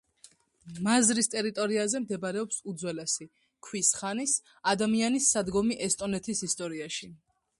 მაზრის ტერიტორიაზე მდებარეობს უძველესი, ქვის ხანის, ადამიანის სადგომი ესტონეთის ისტორიაში.